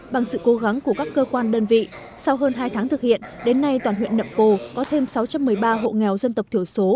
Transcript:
bằng sự cố gắng của các cơ quan đơn vị sau hơn hai tháng thực hiện đến nay toàn huyện nậm pồ có thêm sáu trăm một mươi ba hộ nghèo dân tộc thiểu số